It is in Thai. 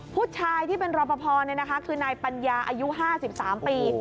พูดชายที่เป็นรอปภนี้นะคะคือนายปัญญาอายุ๕๓ปี